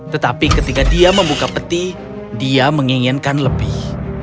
tetapi ketika dia membuka peti dia menginginkan lebih